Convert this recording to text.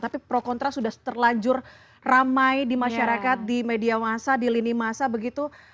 tapi pro kontra sudah terlanjur ramai di masyarakat di media masa di lini masa begitu